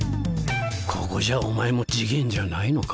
ここじゃお前も次元じゃないのか